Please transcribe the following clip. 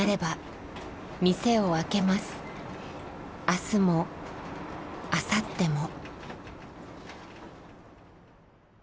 明日もあさっても。